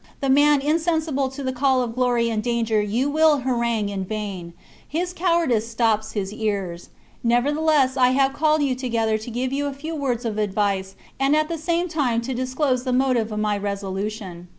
The man insensible to the call of glory and danger you will harangue in vain ; his cowardice stops his ears. Nevertheless I have called you together to give you a few words of advice and at the same time to disclose the motive of my resolution.